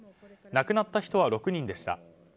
亡くなった人は６人でした。